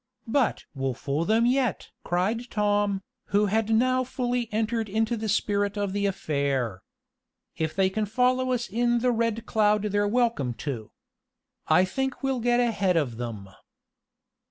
"But we'll fool them yet!" cried Tom, who had now fully entered into the spirit of the affair. "If they can follow us in the Red Cloud they're welcome to. I think we'll get ahead of them."